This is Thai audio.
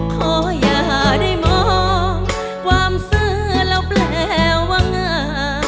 ขออย่าได้มองความซื้อแล้วแปลว่างา